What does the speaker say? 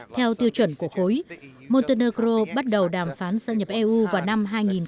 theo tiêu chuẩn của khối monternecro bắt đầu đàm phán gia nhập eu vào năm hai nghìn một mươi